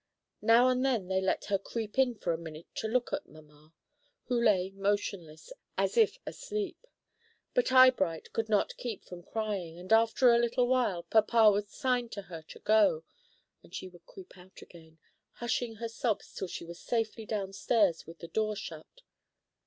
Now and then they let her creep in for a minute to look at mamma, who lay motionless as if asleep; but Eyebright could not keep from crying, and after a little while, papa would sign to her to go, and she would creep out again, hushing her sobs till she was safely downstairs with the door shut.